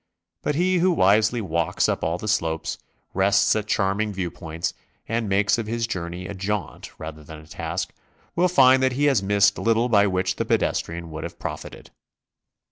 But he who wisely walks up all the slopes, rests at charming view points, and makes of his journey a jaunt rather than a task, will find that he has missed little by which the pedestrian would have profited.